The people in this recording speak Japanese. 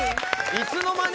いつの間に？